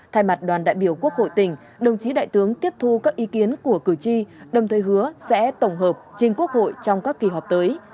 thay mặt đoàn đại biểu quốc hội tỉnh đồng chí đại tướng tiếp thu các ý kiến của cử tri đồng thời hứa sẽ tổng hợp trình quốc hội trong các kỳ họp tới